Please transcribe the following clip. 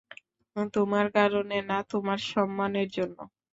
তোমার কারণে না তোমার সম্মানের জন্য।